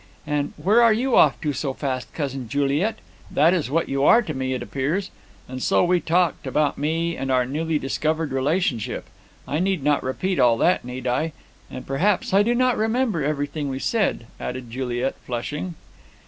And where are you off to so fast, Cousin Juliet? That is what you are to me, it appears.' And so we talked: about me, and our newly discovered relationship. I need not repeat all that, need I? And, besides, I do not remember everything we said," added Juliet, flushing.